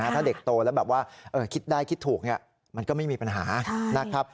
ถ้าเด็กโตแล้วแบบว่าคิดได้คิดถูกมันก็ไม่มีปัญหานะครับ